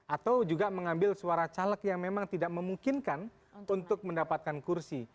atau juga mengambil suara caleg yang memang tidak memungkinkan untuk mendapatkan kursi